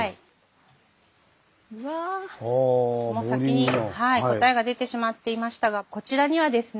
もう先に答えが出てしまっていましたがこちらにはですね